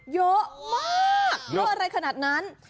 เยอะมากเยอะอะไรขนาดนั้น